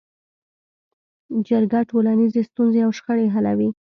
جرګه ټولنیزې ستونزې او شخړې حلوي